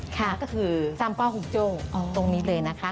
ค่ะก็คือซัมป้อหุงโจ้ตรงนี้เลยนะคะ